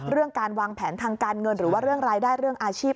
การวางแผนทางการเงินหรือว่าเรื่องรายได้เรื่องอาชีพ